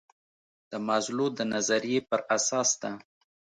د مازلو د نظریې پر اساس ده.